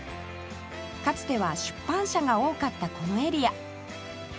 かつては出版社が多かったこのエリア